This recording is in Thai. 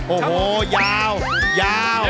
โอ้โหยาวยาว